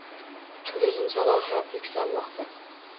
Turizm salohiyati yuksalmoqda